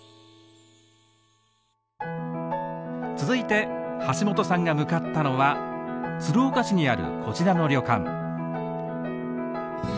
続いて橋本さんが向かったのは鶴岡市にあるこちらの旅館。